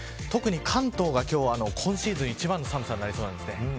関東が今シーズン一番の寒さになりそうです。